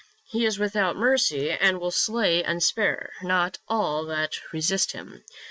He is without mercy, and will slay and spare not all that resist him.